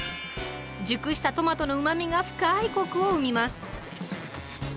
熟したトマトのうまみが深いコクを生みます。